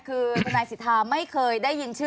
คือทนายสิทธาไม่เคยได้ยินชื่อ